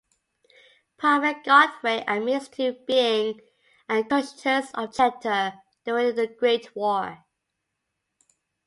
Private Godfrey admits to being a conscientious objector during the Great War.